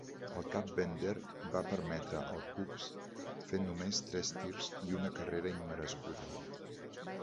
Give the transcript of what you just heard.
El cap Bender va permetre als Cubs fer només tres tirs i una carrera immerescuda.